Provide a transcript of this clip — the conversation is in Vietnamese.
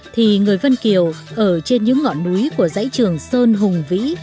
thì người vân kiều ở trên những ngọn núi của dãy trường sơn hùng vĩ